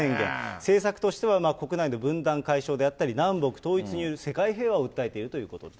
政策としては国内の分断解消であったり、南北統一による世界平和を訴えているということです。